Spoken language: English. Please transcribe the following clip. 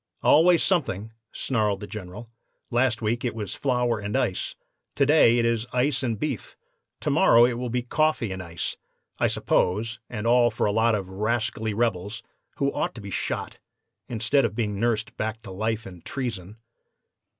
"'Always something,' snarled the General. 'Last week it was flour and ice; to day it is ice and beef; to morrow it will be coffee and ice, I suppose, and all for a lot of rascally rebels, who ought to be shot, instead of being nursed back to life and treason.